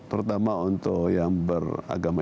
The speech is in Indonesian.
pertama untuk yang beragama